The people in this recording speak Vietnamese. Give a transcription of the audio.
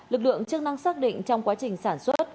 lực lượng chức năng xác định trong quá trình sản xuất